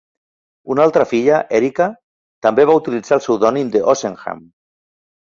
Una altra filla, Erica, també va utilitzar el pseudònim d'Oxenham.